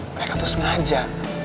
mereka tuh sengaja